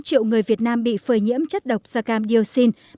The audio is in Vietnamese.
bốn tám triệu người việt nam bị phơi nhiễm chất độc sacam diocin